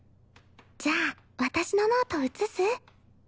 じゃあ私のノート写す？